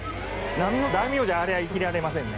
並の大名じゃあれは生きられませんね。